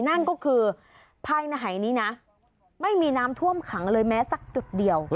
นั่นก็คือภายในหายนี้นะไม่มีน้ำท่วมขังเลยแม้สักจุดเดียว